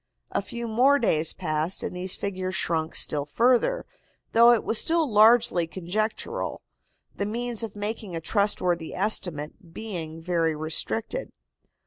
A few more days passed and these figures shrunk still further, though it was still largely conjectural, the means of making a trustworthy estimate being very restricted.